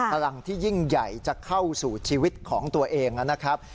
พลังที่ยิ่งใหญ่จะเข้าสู่ชีวิตของตัวเองนะครับ